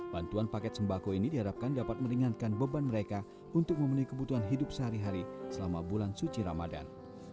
bantuan paket sembako ini diharapkan dapat meringankan beban mereka untuk memenuhi kebutuhan hidup sehari hari selama bulan suci ramadan